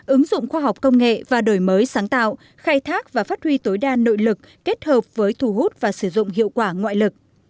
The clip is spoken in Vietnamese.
ứng dụng khoa học công nghệ và đổi mới sáng tạo khai thác và phát huy tối đa nội lực kết hợp với thu hút và sử dụng hiệu quả ngoại lực